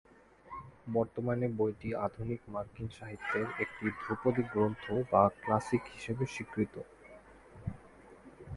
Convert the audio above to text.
বর্তমানে বইটি আধুনিক মার্কিন সাহিত্যের একটি ধ্রুপদী গ্রন্থ বা "ক্লাসিক" হিসেবে স্বীকৃত।